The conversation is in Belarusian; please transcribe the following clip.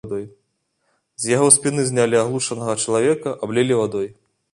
З яго спіны знялі аглушанага чалавека, аблілі вадой.